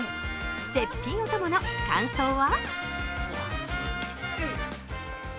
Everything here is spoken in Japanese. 絶品おともの感想は？